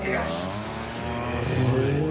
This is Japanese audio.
すごい。